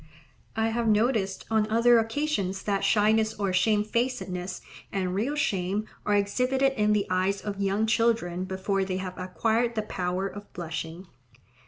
I have noticed on other occasions that shyness or shamefacedness and real shame are exhibited in the eyes of young children before they have acquired the power of blushing.